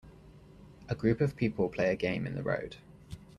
A group of people play a game in the road.